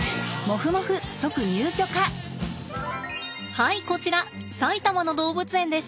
はいこちら埼玉の動物園です。